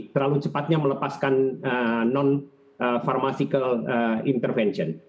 terlalu cepatnya melepaskan non pharmasical intervention